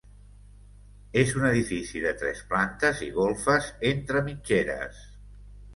És un edifici de tres plantes i golfes entre mitgeres.